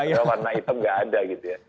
warna hitam enggak ada gitu ya